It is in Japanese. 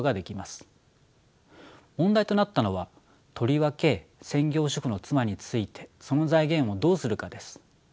問題となったのはとりわけ専業主婦の妻についてその財源をどうするかです。